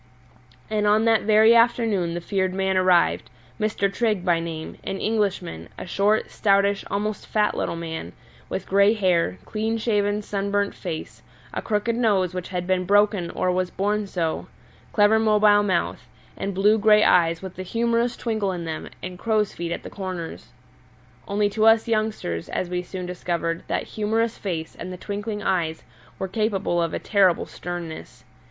And on that very afternoon the feared man arrived, Mr. Trigg by name, an Englishman, a short, stoutish, almost fat little man, with grey hair, clean shaved sunburnt face, a crooked nose which had been broken or was born so, clever mobile mouth, and blue grey eyes with a humorous twinkle in them and crow's feet at the corners. Only to us youngsters, as we soon discovered, that humorous face and the twinkling eyes were capable of a terrible sternness.